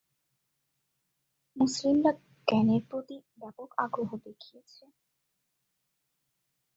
মুসলিমরা জ্ঞানের প্রতি ব্যাপক আগ্রহ দেখিয়েছে।